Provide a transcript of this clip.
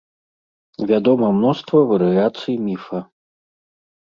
Вядома мноства варыяцый міфа.